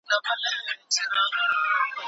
رياض تسنيم